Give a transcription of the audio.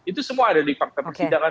itu semua ada di fakta persidangan